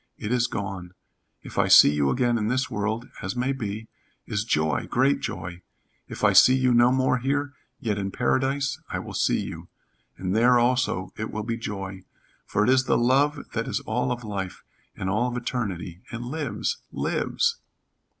It is gone. If I see you again in this world as may be is joy great joy. If I see you no more here, yet in Paradise I will see you, and there also it will be joy, for it is the love that is all of life, and all of eternity, and lives lives!"